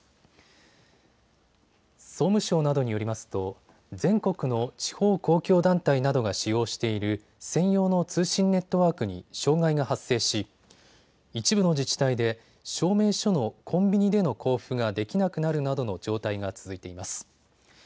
総務省などによりますと全国の地方公共団体などが使用している専用の通信ネットワークに障害が発生し一部の自治体で証明書のコンビニでの交付ができなくなるなどの状態が続いています。